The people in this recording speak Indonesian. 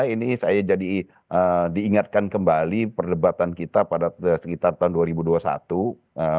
ini saya jadi diingatkan kembali perdebatan kita pada sekitar tahun dua ribu dua puluh satu